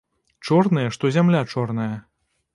Чорныя, што зямля чорная.